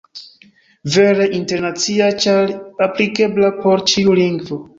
Vere internacia, ĉar aplikebla por ĉiu lingvo.